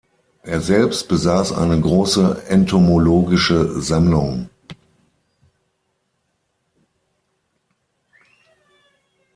Er selbst besaß eine große entomologische Sammlung.